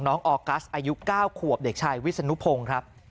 ออกัสอายุ๙ขวบเด็กชายวิศนุพงศ์ครับ